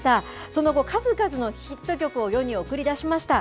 その後、数々のヒット曲を世に送り出しました。